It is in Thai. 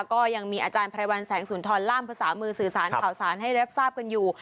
ก็ยังมีอาจารย์ไพรวัลแสงสุนทรล่ามภาษามือสื่อสารข่าวสารให้รับทราบกันอยู่